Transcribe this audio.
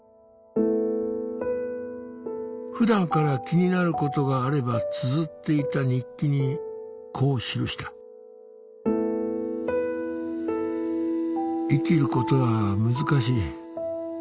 普段から気になることがあればつづっていた日記にこう記した「生きることはむつかしい」